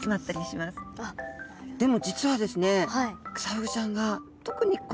でも実はですねえっ！